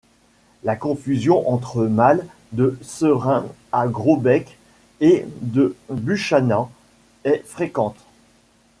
La confusion entre mâles de serin à gros bec et de Buchanan est fréquente.